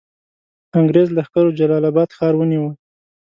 انګرېز لښکرو جلال آباد ښار ونیوی.